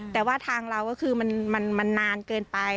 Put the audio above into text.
แต่ว่าทางเราก็คือมันนานเกินไป